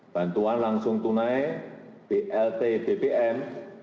bantuan langsung tunai blt bbm